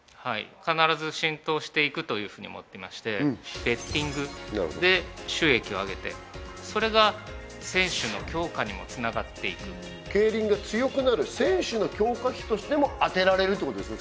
必ず浸透していくというふうに思ってましてベッティングで収益を上げてそれが選手の強化にもつながっていく競輪が強くなる選手の強化費としても充てられるということですね